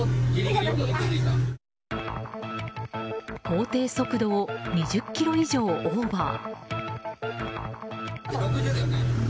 法定速度を２０キロ以上オーバー。